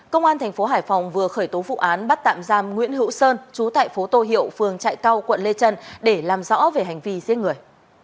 công an thành phố hải phòng vừa khởi tố vụ án bắt tạm giam nguyễn hữu sơn trú tại phố tô hiệu phường trại cao quận lê trân để làm rõ về hành vi giết người